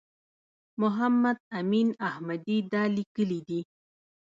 محمد امین احمدي دا لیکلي دي.